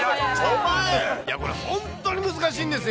これ、本当に難しいんですよ。